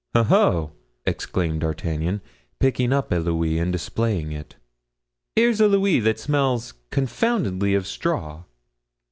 "Ho! ho!" exclaimed D'Artagnan, picking up a louis and displaying it; "here's a louis that smells confoundedly of straw."